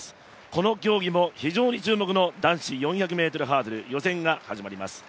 この競技も非常に注目の男子４００ｍハードル、予選が始まります。